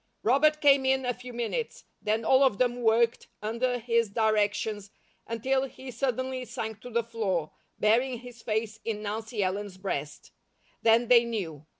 Robert came in a few minutes, then all of them worked under his directions until he suddenly sank to the floor, burying his face in Nancy Ellen's breast; then they knew.